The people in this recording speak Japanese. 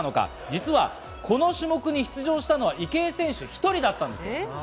実はこの種目に出場したのは池江選手１人だったんです。